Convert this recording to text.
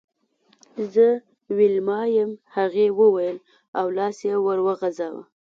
زه ویلما یم هغې وویل او لاس یې ور وغزاوه